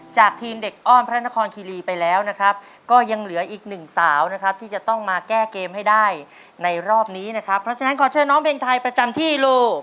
จากทีมเด็กอ้อนพระนครคิรีไปแล้วนะครับก็ยังเหลืออีกหนึ่งสาวนะครับที่จะต้องมาแก้เกมให้ได้ในรอบนี้นะครับเพราะฉะนั้นขอเชิญน้องเพลงไทยประจำที่โล